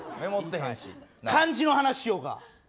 漢字の話、しようか。